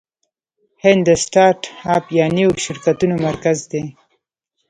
هند د سټارټ اپ یا نویو شرکتونو مرکز دی.